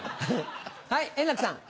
はい円楽さん。